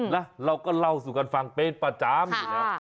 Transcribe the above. นะเราก็เล่าสู่กันฟังเป็นประจำอยู่แล้ว